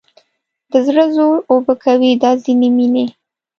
د زړه زور اوبه کوي دا ځینې مینې